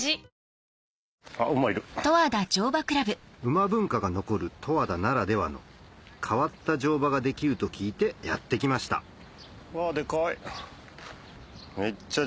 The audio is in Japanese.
馬文化が残る十和田ならではの変わった乗馬ができると聞いてやって来ましたうわデカい。